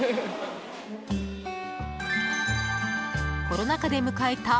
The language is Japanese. コロナ禍で迎えた